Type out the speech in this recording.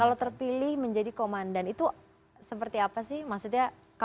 kalau terpilih menjadi komandan itu seperti apa sih maksudnya kamu menyangka gak sih akan